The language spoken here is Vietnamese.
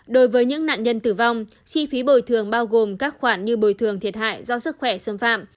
đối với những nạn nhân tử vong chi phí bồi thường bao gồm các khoản như bồi thường thiệt hại do sức khỏe xâm phạm